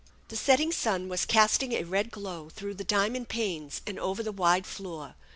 The setting sun was casting a red glow through the diamond panes and over the wide floor.